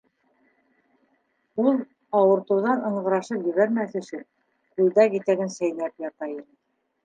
Ул, ауыртыуҙан ыңғырашып ебәрмәҫ өсөн, күлдәк итәген сәйнәп ята ине.